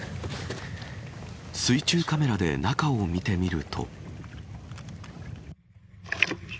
水中カメラで中を見てみると。